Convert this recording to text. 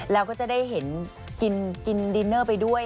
แล้วก็จะได้เห็นกินดินเนอร์ไปด้วย